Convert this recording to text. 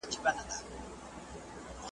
روبین په خپله ایکس پاڼه